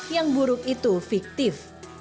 yang buruk itu fiktif